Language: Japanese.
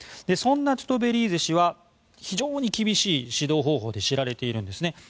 そんなトゥトベリーゼ氏は非常に厳しい指導方法で知られているんですね。